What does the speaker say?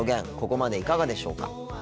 ここまでいかがでしょうか。